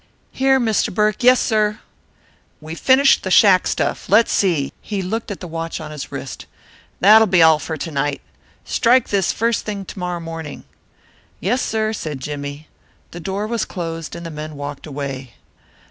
"Here, Mr. Burke, yes, sir." "We've finished the shack stuff. Let's see " He looked at the watch on his wrist "That'll be all for tonight. Strike this first thing tomorrow morning." "Yes, sir," said Jimmie. The door was closed and the men walked away.